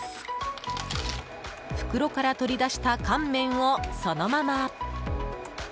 袋から取り出した乾麺をそのまま。